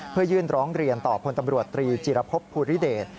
เพื่อยื่นร้องเรียนต่อพลตำรวจตรีจีรพบภูริเดช